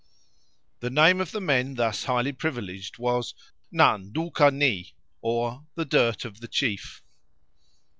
The name of the men thus highly privileged was Na nduka ni, or the dirt of the chief.